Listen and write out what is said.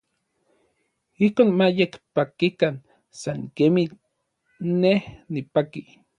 Ijkon ma yekpakikan san kemij n nej nipaki.